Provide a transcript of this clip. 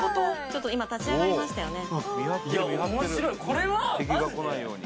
ちょっと今立ち上がりましたよね